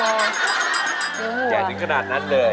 อยากนึกขนาดนั้นเลย